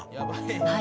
はい。